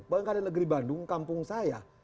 bangkai negeri bandung kampung saya